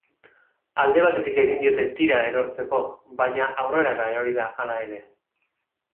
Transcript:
Alde batetik egin diote tira erortzeko, baina aurreraka erori da hala ere.